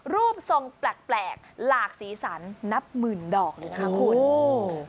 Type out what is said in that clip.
รูปทรงแปลกหลากสีสันนับหมื่นดอกเลยนะคะคุณ